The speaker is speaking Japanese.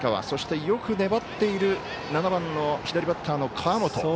そして、よく粘っている７番の左バッターの川元。